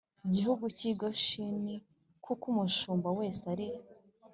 gihugu cy i Gosheni kuko umushumba wese ari